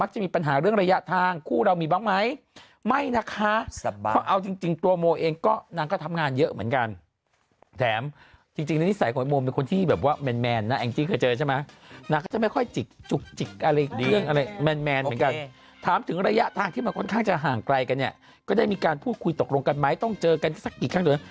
จะห่างไกลกันเนี่ยก็ได้มีการพูดคุยตกลงกันไหม